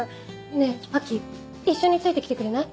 ねぇ亜季一緒についてきてくれない？